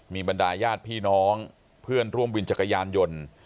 มีบรรดาญาติพี่น้องเพื่อนร่วมวินจักรยานยนต์